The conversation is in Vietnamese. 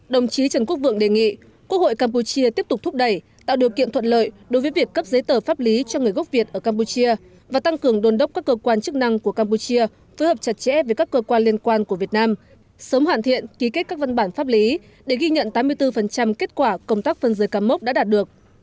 đồng chí trần quốc vượng đề nghị quốc hội campuchia tiếp tục thúc đẩy tạo điều kiện thuận lợi đối với việc cấp giấy tờ pháp lý cho người gốc việt ở campuchia và tăng cường đồn đốc các cơ quan chức năng của campuchia phối hợp chặt chẽ với các cơ quan liên quan của việt nam sớm hoàn thiện ký kết các văn bản pháp lý để ghi nhận tám mươi bốn kết quả công tác phân giới cắm mốc đã đạt được